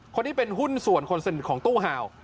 คนที่เป็นหุ้นส่วนคนสนิทของตู้ห่าว